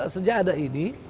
sejak ada ini